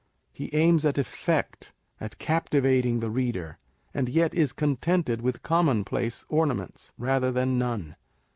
He aims at effect, at captivating the reader, and yet is con tented with commonplace ornaments, rather than none.